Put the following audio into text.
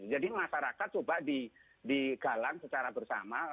jadi masyarakat coba digalang secara bersama